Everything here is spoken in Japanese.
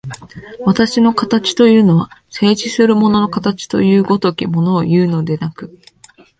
私の形というのは、静止する物の形という如きものをいうのでなく、